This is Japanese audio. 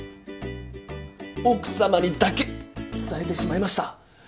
奥様にだけ伝えてしまいました。